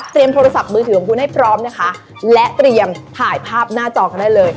โทรศัพท์มือถือของคุณให้พร้อมนะคะและเตรียมถ่ายภาพหน้าจอกันได้เลย